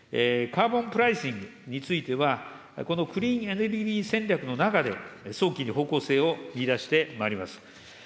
カーボンプライシングについては、このクリーンエネルギー戦略の中で、早期に方向性を見いだしてまいります。